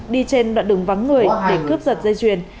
đi trên đoạn đường vắng người để cướp giật dây chuyền